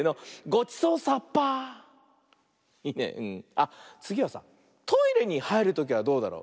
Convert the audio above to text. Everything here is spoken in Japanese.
あっつぎはさトイレにはいるときはどうだろう。